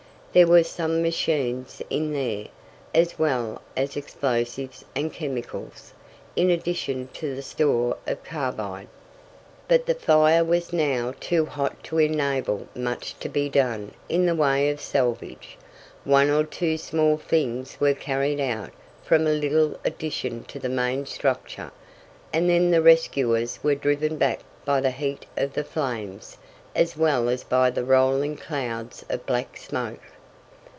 There were some machines in there, as well as explosives and chemicals, in addition to the store of carbide. But the fire was now too hot to enable much to be done in the way of salvage. One or two small things were carried out from a little addition to the main structure, and then the rescuers were driven back by the heat of the flames, as well as by the rolling clouds of black smoke.